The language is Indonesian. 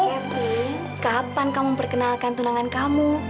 eh fien kapan kamu perkenalkan tunangan kamu